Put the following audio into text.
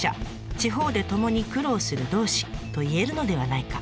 地方で共に苦労する同志といえるのではないか。